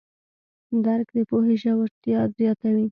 درک د پوهې ژورتیا زیاتوي.